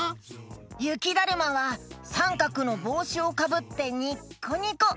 ゆきだるまはさんかくのぼうしをかぶってニッコニコ！